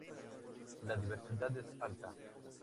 La diversidad es alta.